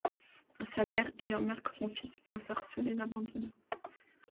Sa mère, ayant marre que son fils se fasse harceler, l’abandonna.